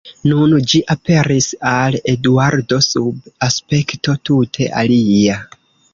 Nun ĝi aperis al Eduardo sub aspekto tute alia.